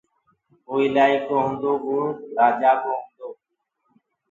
وو الآڪو جيڪو هوٚندو وو رآجآ ڪو، هوندو پڇي